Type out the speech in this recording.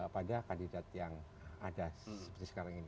pada kandidat yang ada seperti sekarang ini